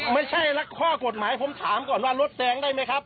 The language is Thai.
ไม่ใช่ข้อกฎหมายผมถามก่อนว่ารถแดงได้ไหมครับ